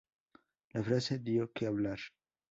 La frase dio que hablar.